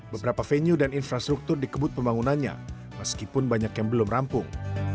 beberapa venue dan infrastruktur dikebut pembangunannya meskipun banyak yang belum rampung